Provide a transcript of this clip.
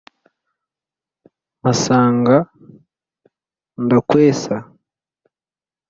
mpasanga ndakwesa